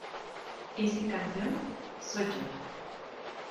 Ese campeón... soy yo.